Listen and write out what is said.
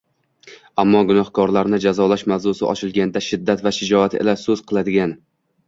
ammo gunohkorlarni jazolash mavzusi ochilganda shiddat va shijaot ila so‘z qiladigan